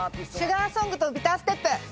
『シュガーソングとビターステップ』。